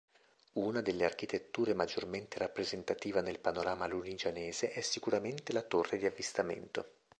Una delle architetture maggiormente rappresentativa nel panorama Lunigianese è sicuramente la torre di avvistamento.